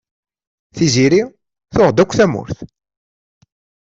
Tiziri, tuɣ-d akk tamurt.